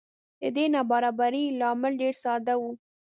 د دې نابرابرۍ لامل ډېر ساده و